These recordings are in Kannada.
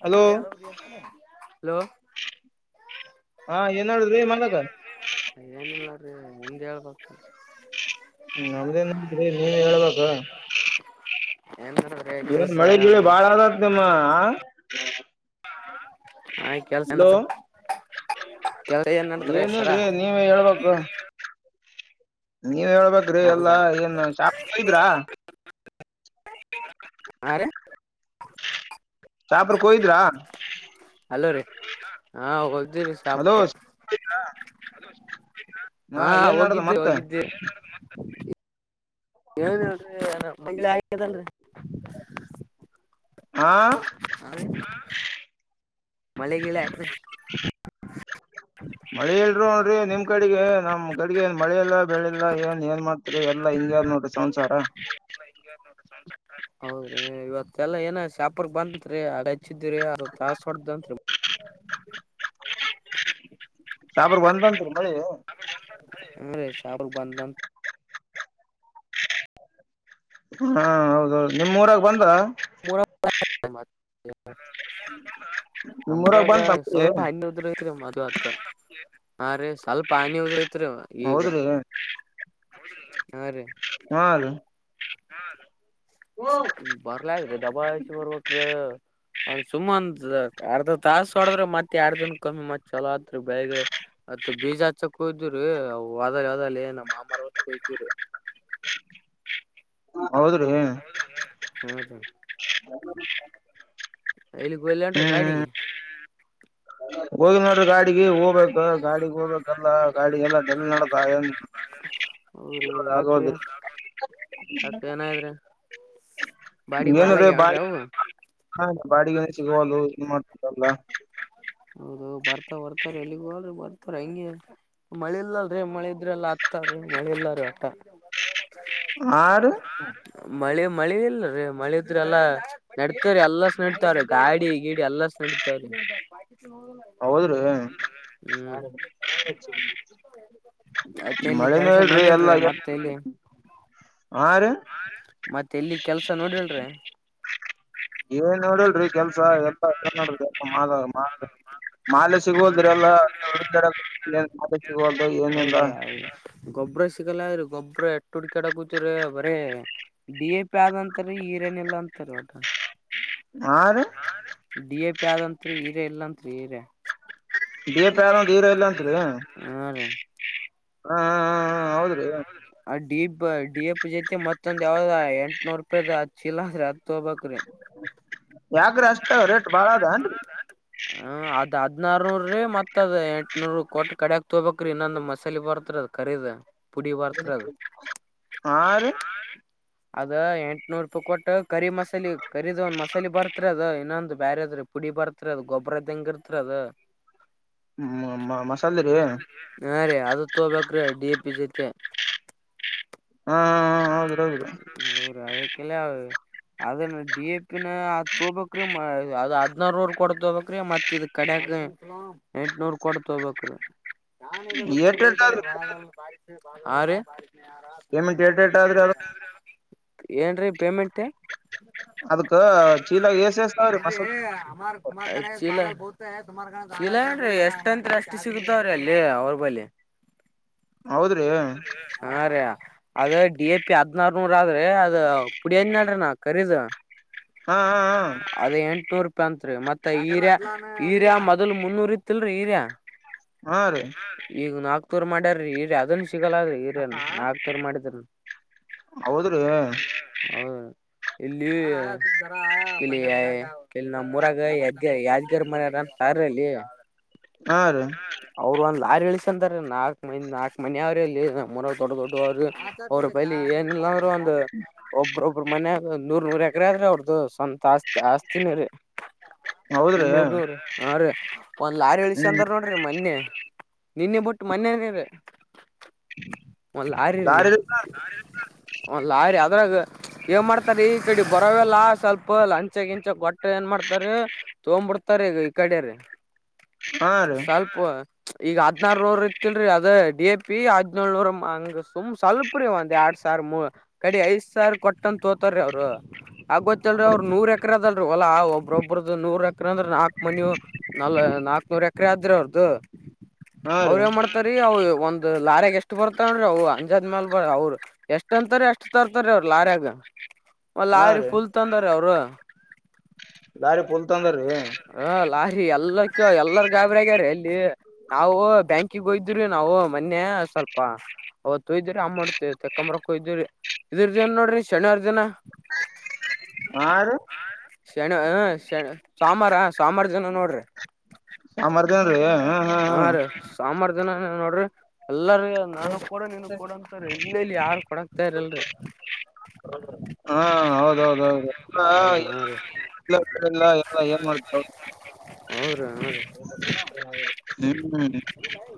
ಹಲೋ ಅ ಹಲೋ ಹಾ ಏನು ಏನಿಲ್ಲಾರಿ ನಿಮ್ದ್ ಹೇಳ್ಬೇಕು ಹ್ಮ ನಮ್ದೇನ್ರೀ ನೀವೆ ಹೇಳ್ಬೇಕ ಏನ್ ನಡದ್ರಿ ಏನ್ ಕೆಲ್ಸ ಮಳೆಗಿಲೆ ಬಾಳ ಆದತ್ ನಿಮ್ಮ ಆಯ್ತ್ ಕೆಲ್ಸ ಹಲೋ ಕೆಲಸ ಏನ್ ಅಂದ್ರಿ ಸರ್ ಏನಿಲ್ರಿ ನೀವೇ ಹೇಳ್ಬೇಕು ನೀವ್ ಹೇಳ್ಬೇಕ್ರಿ ಎಲ್ಲಾ ಏನ್ ಶಾಪಿಂಗ್ ಹೋಗಿದ್ರಾ ಹರೀ ಶಪುರಕ್ ಹೋಗಿದ್ರಾ ಹಲೋ ರೀ ಹಾ ಹೋಗ್ದಿರೀ ಹಲೋ ಶಾಪಕ್ಕೆ ಹಾ ಏನ್ ನಡದ ಹೋಗಿದ್ವಿ ಮತ್ತ ಹೋಗಿದ್ವಿ. [unintelligible] ಹಾ, [inaudible] [unintelligible] ಮಳೆ ಇಲ್ರೂ ನೋಡ್ರಿ ನಿಮ್ ಕಡೆಗೆ ನಮ್ ಕಡಗೆ ಏನ್ ಮಳೆ ಇಲ್ಲಾ ಬೆಳೆಲ್ಲ ಏನ್ ಏನ್ ಮಾಡ್ತ ಎಲ್ ಹಿಂಗೇ ಆದ ನೋಡ್ರಿ ಸಂಸಾರ. [unintelligible] [unintelligible] ಶಾಪುರ ಬಂದತ್ರಿ ಮಳಿ. ಹ್ಮ್ ರಿ ಶಾಪುರ ಬಂದ್ದಂತ್. ಹಾ ಹೌದೌದು ನಿಮ್ ಊರಾಗ ಬಂದದ [unintelligible] ನಿಮ್ ನಮ್ಮ ಊರಾಗ ಬಂತ ಮಳಿ ಸ್ವಲ್ಪ ಹನಿ ಉದ್ರ ಐತ್ರಿ. ಇವತ್ತ ಹ ರೀ ಸ್ವಲ್ಪ ಹಾನಿ ಊದ್ರಐತ್ರಿ ಈಗ. ಹೌದ್ರಿ ಹ್ಮ್ ರೀ [unintelligible] ಹ ಬರ್ಲಾದ್ರೀ ದಬಾಯಸಿ ಬರ್ಬೇಕ್ರ. ಅವ ಸುಮ ಒಂದ ಅರ್ಧ ತಾಸ ಹೊಡದ್ರ ಮತ್ತೆ ಎಡ ದಿನಕೂಮ್ಮಿ ಮತ್ ಚಲೋ ಆತ್ ಬೆಳಿ ಗಿಳಿ. [unintelligible] [inaudible] ಹೌದ್ರೀ. ಹ್ಮ್ [inaudible] ಎಲ್ಲಿಗೂಲ್ಲನ್ರಿ ಗಾಡಿಗಿ. ಹೋಗಿ ನೋಡ್ರಿ ಗಾಡಿಗೆ ಹೋಗ್ಬೇಕ ಗಾಡಿಗೆ ಹೋಗ್ಬೇಕಲ್ಲಾ ಗಾಡಿಗೆಲ್ಲ ಡಲ್ ನಡದಾದ. ಹೌದ್ರೀ ಯಾಕ್ರಿ ಯಾಕ್ ಏನ್ ಆಗ್ಯಾದ್ರಿ. [unintelligible] ಬಾಡಿಗೆ ಎನ್ ಸಿಗುವಲ್ವು ಏನ್ ಮಾಡ್ತಿರಿ ಎಲ್ಲಾ. ಹೌದ ಬರ್ತಾರ್ ಬರ್ತ ಎಲ್ಲಿಗಿ ಹೊಲರಿ ಬರ್ತಾರ್ ಹಂಗೆ ಮಳೆ ಇಲ್ಲಲ್ರೀ ಮಳೆ ಇದ್ರೆಲ್ ತಾರ್ ಮಳಿ ಇಲ್ಲಾರಿ ಒಟ್ಟ. ಹಾರಿ. ಮಳಿದ್ರ ಅಲ್ಲಾ ನಡ್ತರಿ ಎಲ್ಲಾಸ್ ನಡಿತ್ವರಿ ಗಾಡಿ ಗೀಡಿ ಎಲ್ಲಾಸ್ ನಡೀತ್ವರಿ. ಹೌದ್ರೀ ಹ್ಮ್ ಮತ್ತೆ ಎಲ್ಲಿ ಮಳೆನೆ ಕೆಲ್ಸ ಇಲ್ರೀ ನೋಡಿಲ್ರಿ ಎಲ್ಲಾ ಮತ್ತೆ ಎಲ್ಲಿ ಹಾ ರೀ ಮತ್ತೆ ಎಲ್ಲಿ ಕೆಲ್ಸ ನೋಡಿಲ್ರೀ. ಏನ್ ನೋಡಿಲ್ರಿ ಕೆಲ್ಸ ಎಲ್ಲ ನೋಡ್ರಿ ಕೆಲ್ಸ ಮಾ ಮಾಲ್ ಮಾ ಮಾಲೆ ಸಿಗುವದ್ರಿ ಅವ್ರಿ [unintelligible] ಎಹುಡುಕ್ಯಡತಿವಿರಿ ಬರಿ ಬೀಪಿ ಆದ ಅಂತ ರಿಏನ್ ಇಲ್ಲ ಅಂತರಿ. ಹಾರಿ. ಉಪ್ಪಿ ಆದಂತ್ರಿ ನೀರೆ ಇಲ್ಲತ್ರಿೀ ಈರೇ ಹಾ ರೀ [unintelligible] ಹೌದ್ರಿ [unintelligible] ಡಿ ಎಪ್ ಜತೆ ಮತ್ತೊಂದ್ ಯಾವ್ದ ಎಂಟ್ನೂರ್ ರೂಪಾಯಿ ದ್ ಹ ಚೀಲಾ ಹ ತೊಗೋಬೇಕ್ ರೀ ಯಾಕ್ರಿ ಅಷ್ಟ ರೇಟ್ ಬಾಳ ಅದ ಅನ್ರೀ ಹದ್ನಾರ್ ನೂರ್ ರೀ ಮತ್ ಅದ್ ಎಂಟ್ನೂರ್ ಕೊಟ್ಟ ಕಡಿಯಕ್ ತಗೋಬೇಕ್ರೀ ಇನ್ನೊಂದು ಮಸಾಲೆ ಬರ್ತಾದ್ ಅದ್ ಕರೀದಾ ಹಾ ರೀ. ಅದ ಎಂಟನೂರ್ ರೂಪಾಯ್ ಕೊಟ್ಟ್ ಕರಿ ಮಸಾಲೆ ಕರೀದ್ ಒಂದ್ ಮಸಾಲೆ ಬರ್ತ್ ಇತ್ರ ಅದು ಇನ್ನೊಂದು ಬೇರೆದ್ರೆ ಪುಡಿ ಬರ್ತ್ ಅದು ಗೊಬ್ಬರದ ಹೆಂಗ ಇರ್ತ್ರಿ ಅದು ಮಸಾಲೆ ರೀ ಹಾ ರೀ ಅದು ತಗೋಬೇಕ್ರೀ ಡಿ ಪಿ ಜೊತೆ. ಹಾ ಹೌದ್ರಿ ಹೌದ್ರಿ [unintelligible] ಅದನ್ನ ಡಿ ಎ ಪಿ ನ ತೊಬಬೇಕ್ರೀ ಮ ಅದ್ ಹದ್ನಾರ ನೂರ್ ಕೊಡ್ ತೊಗೊಬೇಕ್ರೀ ಮತ್ತ್ ಇದ್ ಕಡೆ [unintelligible] ಅದ ಎಂಟನೂರ್ ಕೊಡ್ತೋಬೇಕ್ರೀ [inaudible] ಏಟ್ ಏಟ್ ಆದ್ರಿ ಪೇಮೆಂಟ್ [unintelligible] [inaudible] ಏಟ್ ಏಟ್ ಆದ್ರಿ ಅದ ಏನ್ರೀ ಪೇಮೆಂಟ್ [inaudible] ಅದಕ್ಕೆ [inaudible] [unintelligible] ಚೀಲ ಏನ್ರಿ ಎಷ್ಟಂತ್ ಅಷ್ಟು ಸಿಗತಾವ್ರಿ ಅಲ್ಲಿ ಅವ್ರ ಬಲಿ [inaudible] ಹೌದ್ರಿ ಹೌದ್ ರೀ ಹಾ ರಿ [inaudible] ಅದೆ ಡಿ ಎ ಪಿ ಹದ್ನಾರ್ ನೂರ್ ಆದ್ರೇ ಅದು ಪುಡಿ ಹೇಳಿದ್ ನ ಅದೆ ಕರೀದು [inaudible] ಹಾ ಹಾ ಹಾ [unintelligible] ಅಂತ್ರಿ ಮತ್ತೆ ಹೀರ್ಯ ಹೀರ್ಯ ಮೊದಲ್ ಮುನ್ನೂರ್ ಇತ್ತಿಲ್ರಿ ಹೀರ್ಯ ಹಾ ರೀ ಈಗ ನಾಕ್ ತೂರ್ ಮಾಡ್ಯಾರೀ ಹೀರ್ಯ ಅದನ್ ಸಿಗಲ್ಲದ್ರಿ ಹರನ ನಾಲ್ಕ್ ತೂರ್ ಮಾಡಿದ್ [unintelligible] ಹೌದ್ರೀ ಇಲ್ಲಿ ಇಲ್ಲಿ ನಮ್ಮ್ ಊರಾಗ ಯಾದ್ಗ ಯಾದ್ಗರಿ ಮನೆರಾ ಸಾರಲ್ಲಿ ಹಾ ರೀ ಅವ್ರ್ ಒಂದ್ ಲಾರಿ ಗಳಿಸ ಅಂದಾರ ನಾಕ್ ಮ ನಾಲ್ಕ್ ಮಿ ಅವ್ರರು ಇಲ್ಲಿ ನಮ್ಮನ್ ದೊಡ್ಡ ದೊಡ್ಡ ಅವ್ರರು ಅವ್ರ್ ಪೈಲಿ ಏನಿಲ್ಲ ಅಂದ್ರೂ ಒಂದು ಒಬ್ ಒಬ್ರು ಮನೆಗ್ ನೂರ್ ನೂರ್ ಎಕರೆ ಆದ್ರೆ ಅವ್ರ್ ದು ಸ್ವಂತ ಆಸ್ತಿ ಆಸ್ತೀನೆ ರೀ [inaudible] ಹೌದ್ರಿ ನೂರ್ ನೂರ್ ಹಾರೀ ಒಂದ್ ಲಾರಿ ಹ್ಮ್ ಇಳ್ಸಂದ್ರ್ ನೋಡ್ರಿ ಮೊನ್ನೆ ನಿನ್ನೆ ಬಿಟ್ಟು ಮೊನ್ನೆನೆರೆ ಒಂದ್ ಲಾರಿ ರೀ [inaudible] [unintelligible] ಲಾರಿ ಅದ್ರಾಗ ಏನ್ ಮಾಡ್ತಾರಿ ಈ ಕಡೆ ಬರೋವೆಲ್ಲ ಸ್ವಲ್ಪ ಲಂಚ ಗಿಂಚ ಕೊಟ್ರೆ ಏನ್ ಮಾಡ್ [inaudible] ಮಾಡ್ತಾರೆ ತಗೋಂಡ್ ಬಿಡ್ತಾರೆ ಈಗ ಈ ಕಡೆರ್ ಹಾ ರೀ ಸ್ವಲ್ಪ [inaudible] ಈಗ ಹದ್ನಾರ್ ನೂರ್ ಇತತ್ತಿಲ್ರೀ ಅದೇ ಡಿ ಎ ಪಿ ಹದ್ನೆಳ್ನೂರ್ ಹಂಗ ಸುಮ್ ಸ್ವಲ್ಪ್ [inaudible] ್ರೀ ಒಂದ್ ಎರಡ್ ಸಾವಿ ಮೂ ಕಡೆ ಐದ್ ಸಾವಿ ಕೊಟ್ಟನ್ ತೋತಾರೀ ಅವರು ಆಗೋತ್ತಲ್ರೀ ಅವರು ನೂರ ಎಕರ ಒಲಾ ಒಬ್ಬ್ರೊಬ್ಬ್ರದು ನೂರ್ ಎಕರೆ ಅಂದ್ರೆ ನಾಕಕ್ ಮನವು ನ ನಾಕ್ ನೂರ್ ಎಕರೆ ಆದ್ರೆ ಅವ್ರದು ಹಾ [inaudible] ಅವ್ರ ರೀ ನ್ ಮಾಡ್ತಾರೀ ಅವ ಒಂದ್ ಲಾರಾಗ ಎಷ್ಟು ಬರ್ತಾವನ್ೀ ಅವು ಅಂಜಾದ ಮೇಾಲ ಅವರು ಎಷ್ಟ ಅಂತಾರ ಎಷ್ಟ ತರ್ತಾರೆ ಅವ್ರ ಲಾರ್ಯಾಗ ಮ ಹಾ ಲಾರಿೀ ರೀ ಫುಲ್ ತಂದಾರ ಅವರು ಲ [inaudible] ಲಾರಿ ಪುಲ್ ತಂದರಿ [unintelligible] ಎಲ್ಲಕ್ಕ ಎಲ್ಲರ ಗಾಬರಿ ಆಗ್ಯಾರ ಅಲ್ಲಿ ನಾವು ಬ್ಯಾಂಕಿಗೆ ಹೋ್ದ್ರೀ ನಾವು ಮೊನ್ನೆ ಸ್ವಲ್ಪತ್ತು ಇ ಆಾಮ್ ಮಾಡ್ತೇವಿ ತಕೊಂಬ್ರಕ್ಕೊ ಇದ್ರರಿ ಇದಿರ್ ದನ್ ನೋಡ್ರಿ ಶನಿವಾರ ದಿನ [unintelligible] ಹ [inaudible] ಶಣ ಹ ಶ ಸಂಬಾರ ಸಂಬಾರ ಜನ ನೋಡ್ರಿ ಹಾ ರೀ ಸಾಂಬಾರ ದನ ನೋಡ್ರಿ ಎಲ್ಲಾರ ನಾನು ಕೂಡ ನೀಿನ ಕೊಡ ಅಂತಾರ ಇಲ್ಲ ಇಲ್ಲಿ ಯಾರು ಕೊಡಕ್ತ ಇರಲ್ರಿ [inaudible] ಹಾ ಹೌದೌದೌದು [inaudible] ಅವ್ರ ಹ್ರೀ ಇಲ್ಲಲ್ಲ ಎಲ್ಲ ಏನ್ ಮಾಡತು [unintelligible] ಹೌದ ರೀ ಹೌ ರೀ [inaudible] ಹ್ಮ್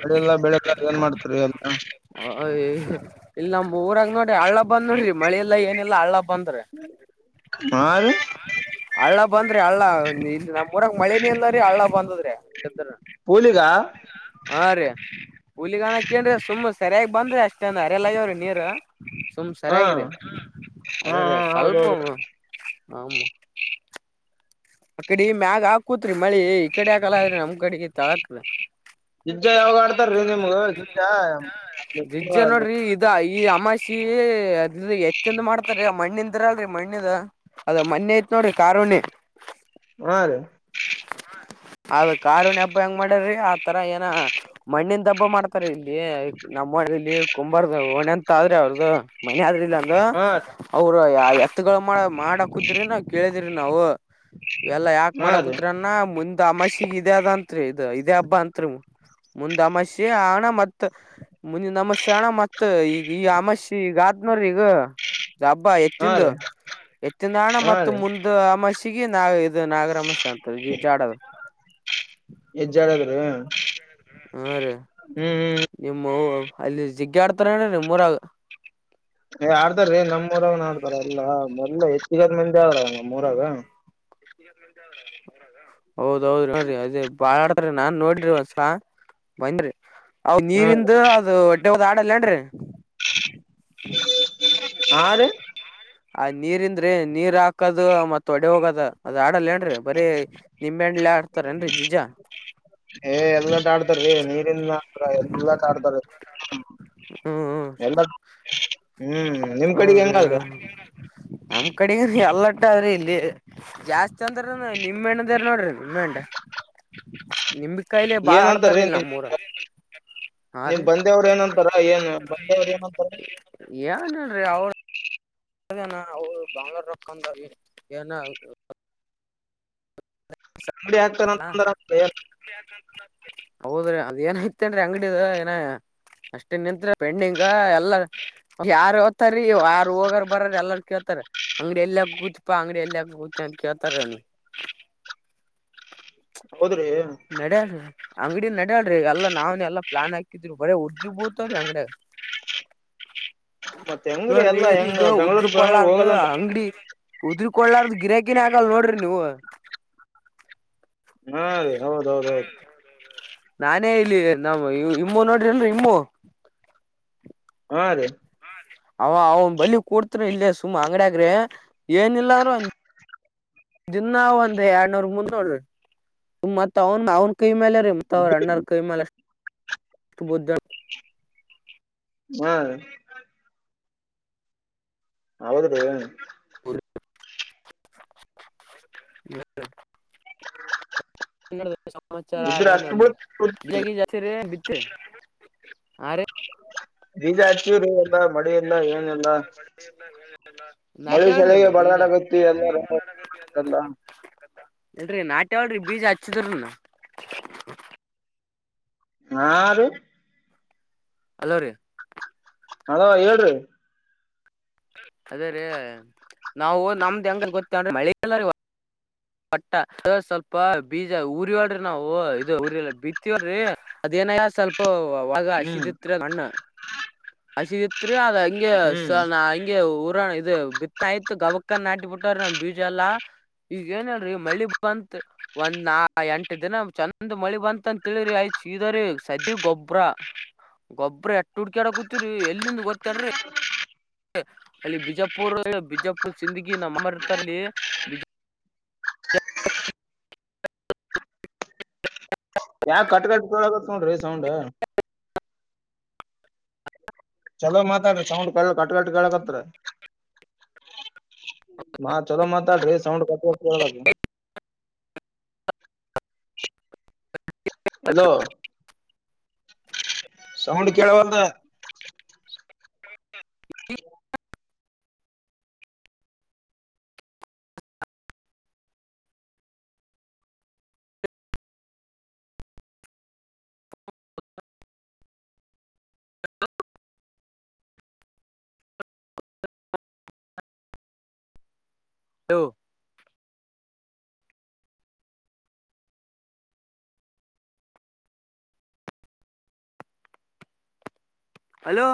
ಮಳೆ ಎಲ್ಲ ಬೆಳಕ ಏನ್ ಮಾಡ್ತಾರೆ ಎಲ್ಲ [inaudible] ಇಲ್ಲ ನಮ್ಮ್ ಊರಾಗ ನೋಡಿ ಹಳ್ಳ ಬಂದ್ ನೋಡ್ರಿ ಮಳಿೆಲ್ಲ ಏನಿಲ್ಲಲ್ಲ ಹಳ್ಳ ಬ [inaudible] ಹ ಹಳ್ಳ ಬಂದ್ರಿ ಹಳ್ಳ ಇ ನಮ್ ಊರಕ್ ಮಳೆ ನೀಲ್ದ್ರೀ ಹಳ್ಳ ಬಂದದ್ರಿ ಎ [inaudible] ಕೂಲಿಗ ಹಾ ರೀ ಹುಲಿಗನ ಕೇೇಳ್ರೆ ಸುಮ್ಮ್ ಸರಿಯಾಗಿ ಬಂದ್ರಿ ಅಷ್ಟ ಅಂದ ಅರಿಲ್ಲಯ್ಯವ್ರಿ ನೀರ್ ಸುಮ್ ಹಾ ಸರಿಯಾಗಿರಿ ಹಾ ಹಾ ಅದ್ರ ಸ್ವಲ್ಪ ಹೌದೌದು ಹಮ್ಮ [unintelligible] ಅ ಕಡೆ ಈ ಮ್ಯಾಗ ಹಾಕೂತ್ರಿ ಮಳಿ ಈ ಕಡೆ ಹಾಕಲ್ಲ ಅ್ರಿ ನಮ್ ಕಡೆಗೆ ತಾಳಾಕ್್ರ ಗಿಜ್ಜ ಯಾವಾಗ ಆಡ್ತಾರೀ ನಿಮ್ಗ [unintelligible] ಗಿಜ್ಜ ದಿಜ್ಜಾ ನೋಡ್ರಿ ಇದ ಈ ಅಮಾಷಿ [unintelligible] ಅದ ಹೆಚ್ಚಂದ ಮಾಡ್ತಾರೀ ಮಣ್ಣಿಂದಿರಲ್ರಿ ಮಣ್ಣಿದ ಅದ ಮಣ್ಣಿ ಐತ್ ನೋಡ್ರಿ ಕಾರಾಣಿ. ಹಾರಿ. ಅದ ಕಾರಿನ ಹಬ್ಬ ಹೆಂಗ್ ಮಾಡ್ಯ್ರಿ ಆತರ ಏನ ಮಣ್ಣಿನ ಹಬ್ಬ ಮಾಡ್ತಾರ ಇಲ್ಲಿ. ನಮ್ಮ್ ಮಲ್ಲಿ ಕುಂಬಾರ್ದ ಓಣ ಅಂತ ಆದ್ರೆ ಅವ್ರದು ಮನ ಆದ್ರೆ. ಇಲ್ಲಂದ ಹಾ ರೀ ಅವ್ರ ಎತ್ಗಳು ಮಾಡ ಮಾಡ ಕೂತರಿನಾ ಕೇಳಿದಿರಿ ನಾವು. ಇ ಎಲ್ಲಾ ಯಾಕ ಹಾ ರೀ ಮಾಡಕೂತ್ರಿನ್ನ ಮುಂದ್ ಅಮಾಷಿಗೆ ಇದೆ ಅದಂತ್ರಿ ಇದ ಇದೇ ಹಬ್ಬಾ ಅಂತ್ರಿ. ಮುಂದ ಅಮಾಷೆ ಹಣ ಮತ್ ಮುಂದಿನ ಅಮಶೆ ಹಣ ಮತ್ ಈಗ ಈ ಅಮಾಶಿ ಈಗ. ಹದನೂರ ಈಗ ಹಬ್ಬಾ ಹಾ ಎತ್ತಂದು ರೀ ಎತ್ತಿಂದ ಹಣ ಹಾ ಮತ್ತ ರೀ ಮುಂದ ಅಮಷಿಗೆ ನಾ. ಇದು ನಾಗರಮೇಶ ಅಂತ ಜಾಡದ. ಹೆಜ್ಜೆ ಆಡದ್ರಿ ಹ್ಮ್ ಹೂ ರೇ ಹ್ಮ್ ನಿಮ್ಮವು. ಅಲ್ಲಿ ಜಿಗ್ಗ ಆಡ್ತಾರ ಏನ್ರಿ ಮೂರಾಗ. ಏ ಆಡ್ತಾ ರೀ ನಮ್ಮೂಊರವ ಆಡ್ತಾರ ಅಲ್ಲ ಎಲ್ಲ ಹೆಚ್ಚಿಗದ ಮಂದಿ ಆದ್ರ. ಮೂರಾಗ. ಹೌದೌದು ಅದೇ ಬಾ. ನಾನ್ ನೋಡ್ರಿ ಒಸ ಬಂದರಿ ಅ ಹ್ಮ ನೀರಿಂದ ಅದು ಒ. ದ ಅದಲ್ಲೇನ್ರಿ ಹ ರೀ ಆ ನೀರ್ಂದ್ರೆ ನೀರ್ ಹಾಕದು ಮತ್ತತ್ ಒಡೆ ಹೋಗದ ಅದು ಆಡಲ್ಲ. ನ್ರಿ ಬರೀ ನಿಂಬೆ ಹಣ್ಲಿ ಆಡ್ತಾರೇಏನ್ರಿ ಜಿಜಾ. ಏ ಎಲ್ಲಾಟ ಆಡ್ತಾರೀ ನೀರಿನ್ ಮಾತ್ರ ಎಲ್ಲಾಟಾಡ್ತಾರ. ಹೂ ಹೂ. ಹ್ಮ್ ನಿಮ್ ಕಡೆಗ್ ಹೌರ ಹೆಂಗಾದ್ರಿ ನಮ ಕಡೆ ಎಲ್ಲ. ಟ್ರಿ ಇಲ್ಲಿ ಜಾಸ್ತಿ ಅಂದ್ರ ನಿಮ್ಮ ಎಣ್ಣದಾರ ನೋಡ್ರಿ ನಿಮ್ಮಣ್ಣ. ನಿಂಬ ಕಾಯಲೆ ಬಾಳ ಏನಂತಾರೀ ಆಡ್ತಾರಲ್ ನಿಮ್ ನಮ್ಮೂರ ಹಾ ನಿಮ್ ರೀ. ಬಂದೇವ್ರ ಏನಂತಾರ ಏನ್ ಬಂದೇವ್ರ ಏನಂತಾರ ಏನ್ ಹೇಳ್ರಿ ಅವ. ಹಾಗ ಅವ ಬಂಗಾರಕ್ಕಂದ ಏನ. ಅಂಗಡಿ ಹಾಕ್ತಾರ ಅಂತಂದ್ರ ಏನ್ ಹೌದ್ರಿ ಅದು ಏನಾಯ್ತು. ಇತ್ತೇನ್ರಿ ಅಂಗಡದು ಏನ. ಅಷ್ಟೇ ನಿಂತ್ ಪೆಂಡಿಂಗ ಎಲ್ಲಾರ ಯಾರ ಓತಾರೀ ಯಾರ ಹೋಗರ್ ಬರ್ರ ಎಲ್ಲಾರ್ ಕೇಳ್ತಾರ. ಅಂಗಡಿ ಎಲ್ಲ ಕೂತ್ಪಾ ಅಂಗಡಿ ಎಲ್ಲ ಕೂತ ಅಂತ ಕೇಳ್ತಾರನಿ. ಹೌದ್ರಿ ನಡ [inaudible] ಅಂಗಡ ನಡ್ಯಾಳರಿ ಎಲ್ಲ ನಾವ್ನ್ ಎಲ್ಲಾ ಪ್ಲಾನ್ ಹಾಕಿದ್ರಿ ಬರ ಉದ್ರಿ ಬೂತವ್ರಿ ಅಂಗಡ. [unintelligible] ಮತ್ ಹೆಂಗ್ರೀ ನೋಡ್ರಿ ಎಲ್ಲಾ ಈಗ ಹೆಂಗ ಬೆಂಗ್ಳೂರ್ ಬೆಂಗ್ಳೂರ್ ಉದ್ರಕೊಳ್ಳಾರ್ದ ಹೋಗಲ್ಲಂತ ಅಂಗಡಿ ಉದ್ರಕೊಳ್ಳಾರ್ದ. ಗಿರಾಕಿ ನೆ ಆಗಲ್ ನೋಡ್ರಿ ನೀವು. ಹಾ ರೀ ಹೌದೌದ ಹೌದು. ನಾನೇ ಇಲ್ಲಿ ನಮ್ಮ್ ಇಮ್ಮೂ ನೋಡ್ರಿ ಅಲ್ರರಿ ಇಮ್ಮು. ಹಾ ರಿ. ಅವ ಅವನ್ ಬಲಿ ಕೂಡ್ತ ಇಲ್ಲ ಸುಮ್ಮ ಅಂಗಡಿಯಗ್ರಿ ಏನಿಲ್ಲಂದ್ರರು ಒ. ದಿನಾ ಒಂದ್ ಎರಡ್ನೂರ್ ಮುಂದೋಳ ಮತ್ ಅವನ್ ಅವನ್. ಕೈ ಮೇಲೆ ರಮಂತವರು ಅಣ್ಣರ್ ಕೈಮೇಲೆ ಬುದ್ಧ. ಹ್ಮ ಹೌದ್ರೀ. [unintelligible] ಸಮಚಾರ ಇದ್ರ ಆಏ ಅಷ್ಟ್ ಬೀಳ್ತ ಜಾತಿ. [inaudible] ಆ ರಿ. [unintelligible] ಹಚಿ ರಿ. [inaudible] ನಾ ಮಳಿ ಕೇಳ್ರಿ ಸಲಿಗೆ ಬೀಜ. ಬಡದಾಡಕತ್ತಿ ಎಲ್ಲಾರ [unintelligible] [unintelligible] ಇಡ್ರಿ ನಾಟ ಹೇಳಳ್ರಿ ಬೀಜ ಹಚ್ಚಿದ್ರ ನ. ಹ. ಹಲೋ ರೀ. ಹಲೋ ಹೇಳ್ರಿ. ಅದೇ ರ ನಾವು ನಮ್ದ ಅಂಗ ಗೊತ್ತೇ್ರ. ಪಟ್ಟ ಸ್ವಲ್ಪ ಬೀಜ ಊರಿಯಳ್ರಿ ನಾವವು ಇದು ಊರಿಲ್ಲ ಬಿತವಳ್ರಿ ಅದ. ನ ಸ್ವಲ್ಪ ಒಾಗ ಹ್ಮ್ ಹಸಿದಿತ್ ಅಣ್ಣ ಹಸಿದಿ. ತ್ರಿ ಅದ್ ಹಂಗೆ ಹ್ಮ್ ಹಗೆ ಊರ ಇ ಬಿತ್ತಯ್ತು ಗವಕ್. ಕ್ಕ ನಾಟಿ ಬಿಟ್ಟ್ರ ನ್ ಬೀಜ ಎಲ್ಲಾ ಈಗ. ಏನ್ ಹೇಳ್ರಿ ಮಳಿ ಬಂತತ್ ಒಂದ್ ನಾ ಎಂಟ ದಿನ ಚಂದ್ ಮಳಿ ಬಂತ ಅಂತ ತಿಳಿಿ ಆಯ್. ಸದ ಗೊಬ್ರ ಗೊಬ್ಬ್ರ ಎಟ್ಟ ಹುಡ್ಕ ಆಡ ಕೂ. ಇಲ್ಲಿಂದ ಗೊತ್ತಾಡ್ರಿ ಅಲ್ಲಿ ಬಿಜಾಪುರ್ ಬಿಜಾು.. ಲ್ ಸಿನ್ದಗಿ ನಮ್ಮರ್ತರಲಿ. ಯಾಕ ಕಟ್ ಕಟ್ಟಗ ನೋೊಂಡ್ರಿ ಸೌಂಡ. [unintelligible] ಚಲೋ ಮಾತಾಡ್ರ ಸೌಂಡ್ ಕ ಕಟ್ ಕಟ್ ಕಳಕತ್. ಮಾ ಚಲೋ ಮತ್ತ ಗ ಸಾೌಂಡ ಕಟ್ಟ. ಹಲೋ. ಸೌಂಡ್ ಕೇಳಬೇಕು. [unintelligible] ಹಲೋ. ಹಲೋ.